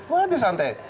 wah dia santai